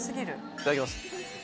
いただきます。